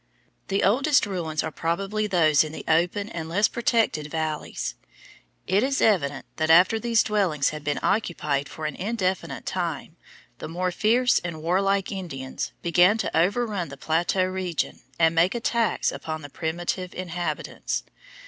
The oldest ruins are probably those in the open and less protected valleys. It is evident that after these dwellings had been occupied for an indefinite time the more fierce and warlike Indians began to overrun the plateau region and make attacks upon the primitive inhabitants.